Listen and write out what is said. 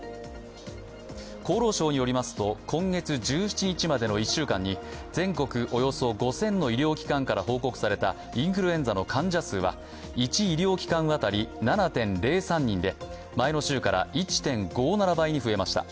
厚労省によりますと今月１７日までの１週間に、全国およそ５０００の医療機関から報告されたインフルエンザの患者数は１医療機関当たり７．０３人で、前の週から１．５７倍に増えました。